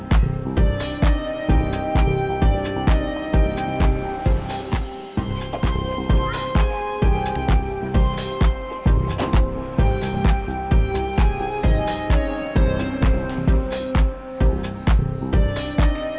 om esnya belum bayar